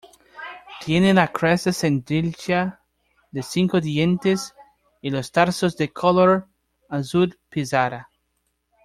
Tiene la cresta sencilla de cinco dientes y los tarsos de color azul pizarra.